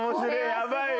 やばいよ。